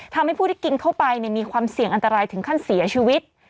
ทำให้ผู้ที่กินเข้าไปมีความเสี่ยงอันตรายถึงขั้นเสียชีวิต